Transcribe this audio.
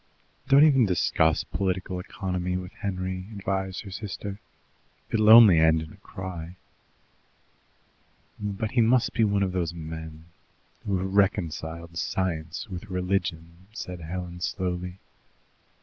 "Don't even discuss political economy with Henry," advised her sister. "It'll only end in a cry." "But he must be one of those men who have reconciled science with religion," said Helen slowly.